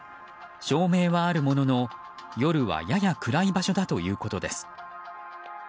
照明はあるものの、夜はやや暗い場所だということです。